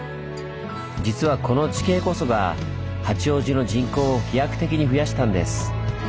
実はこの地形こそが八王子の人口を飛躍的に増やしたんです。